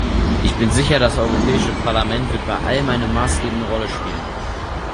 Ich bin sicher, das Europäische Parlament wird bei allem eine maßgebende Rolle spielen.